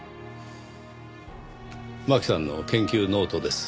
真希さんの研究ノートです。